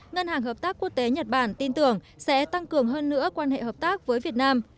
ngân hàng hợp tác quốc tế nhật bản tin tưởng sẽ tăng cường hơn nữa quan hệ hợp tác với việt nam